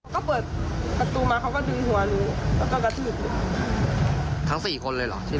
ก็เปิดกระตูมาเขาก็ดึงหัวหนูแล้วก็กระทืบ